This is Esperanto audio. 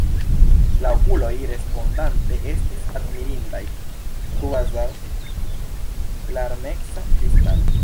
La okuloj respondante estis admirindaj, kvazaŭ larmeca kristalo.